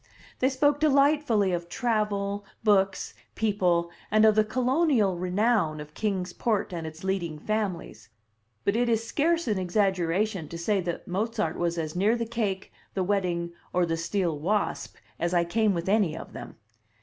They spoke delightfully of travel, books, people, and of the colonial renown of Kings Port and its leading families; but it is scarce an exaggeration to say that Mozart was as near the cake, the wedding, or the steel wasp as I came with any of them.